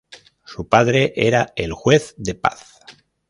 Su padre era el Juez de Paz.